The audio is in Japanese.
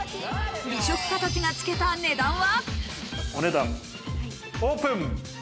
美食家たちがつけた値段は？